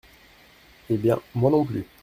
Eh bien, moi non plus !